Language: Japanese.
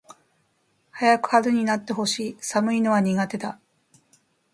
早く春になって欲しい。寒いのは苦手だ。